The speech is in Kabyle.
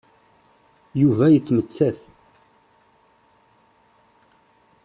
Yuba yettmettat.